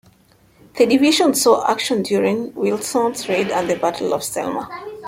The division saw action during Wilson's Raid and the Battle of Selma.